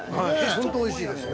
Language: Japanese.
◆本当おいしいですね。